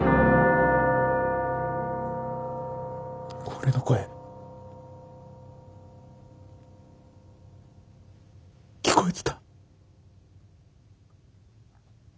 俺の声聞こえてた？